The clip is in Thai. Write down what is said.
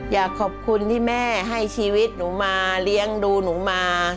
อยากขอบคุณที่แม่ให้ชีวิตหนูมาเลี้ยงดูหนูมา